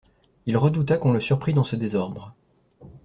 Il redouta qu'on le surprit dans ce désordre.